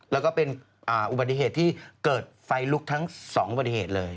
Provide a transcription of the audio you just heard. แล้วก็เป็นอุบัติเหตุที่เกิดไฟลุกทั้ง๒อุบัติเหตุเลย